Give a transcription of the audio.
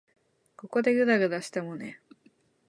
ここでぐだぐだしてもね。